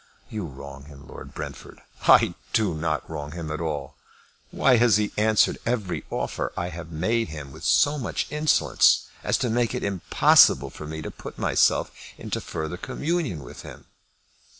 "You wrong him, Lord Brentford." "I do not wrong him at all. Why has he answered every offer I have made him with so much insolence as to make it impossible for me to put myself into further communion with him?"